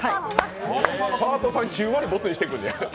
パートさん、９割ボツにしていくんや。